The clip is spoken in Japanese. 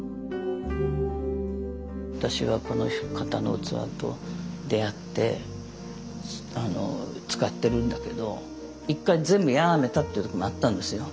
私はこの方の器と出会って使ってるんだけど１回全部やめたって時もあったんですよ